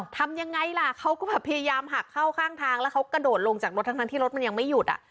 ทำยังไงล่ะเขาก็แบบพยายามหักเข้าข้างทางแล้วเขากระโดดลงจากรถทั้งที่รถมันยังไม่หยุดอ่ะ